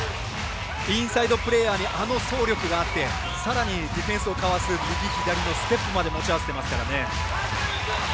インサイドプレーヤーにあの走力があってさらに、ディフェンスをかわす右、左のステップまで持ち合わせてますからね。